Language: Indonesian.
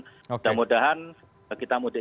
dan mudah mudahan kita mudik